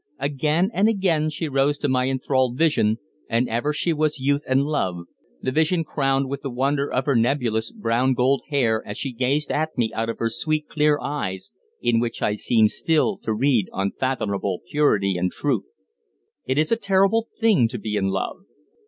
Again and again she rose to my enthralled vision, and ever she was Youth and Love, the vision crowned with the wonder of her nebulous, brown gold hair as she gazed at me out of her sweet, clear eyes in which I seemed still to read unfathomable purity and truth. It is a terrible thing to be in love.